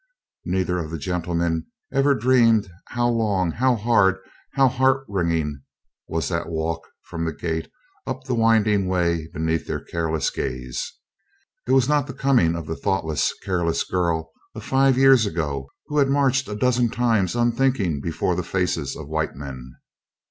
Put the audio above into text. Neither of the gentlemen ever dreamed how long, how hard, how heart wringing was that walk from the gate up the winding way beneath their careless gaze. It was not the coming of the thoughtless, careless girl of five years ago who had marched a dozen times unthinking before the faces of white men.